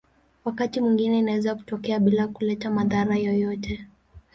Wakati mwingine inaweza kutokea bila kuleta madhara yoyote.